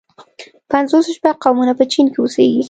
پنځوس شپږ قومونه په چين کې اوسيږي.